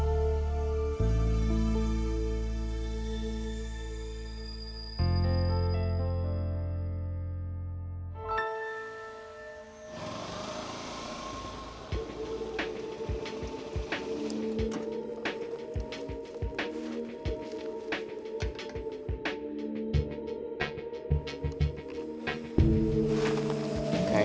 cepat selesai ya